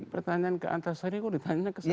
pertanyaan ke pak antasari kok ditanya ke saya